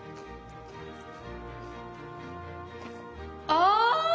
あ！